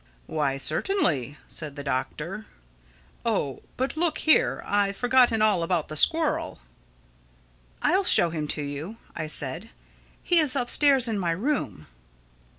"Why certainly," said the Doctor—"Oh, but look here, I've forgotten all about the squirrel." "I'll show him to you," I said. "He is upstairs in my room."